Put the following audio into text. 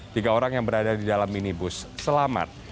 tiga orang yang berada di dalam minibus selamat